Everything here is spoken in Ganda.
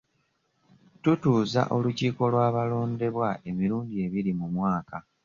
Tutuuza olukiiko lw'abalondebwa emirundi ebiri mu mwaka.